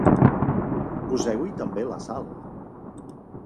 Poseu-hi també la sal.